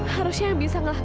harusnya yang bisa ngelakuin